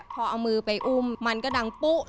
พอเอามือไปอุ้มมันก็ดังปุ๊